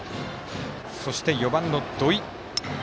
そして、４番の土井。